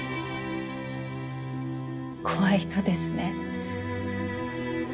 怖い人ですね。